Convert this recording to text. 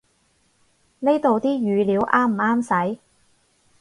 呢度啲語料啱唔啱使